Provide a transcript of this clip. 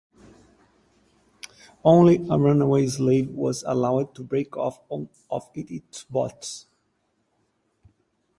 Only a runaway slave was allowed to break off on of its boughs.